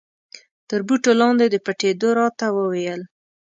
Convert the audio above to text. تر بوټو لاندې د پټېدو را ته و ویل.